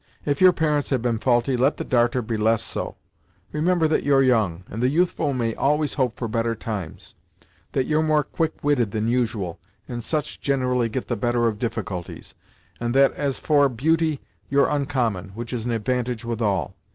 If your parents have been faulty, let the darter be less so; remember that you're young, and the youthful may always hope for better times; that you're more quick witted than usual, and such gin'rally get the better of difficulties, and that, as for beauty, you're oncommon, which is an advantage with all.